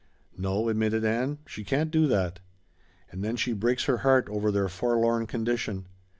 "No," admitted Ann, "she can't do that." "And then she breaks her heart over their forlorn condition."